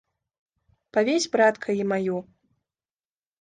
Павесь, братка, і маю.